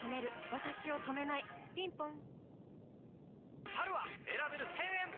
わたしを止めないぴんぽん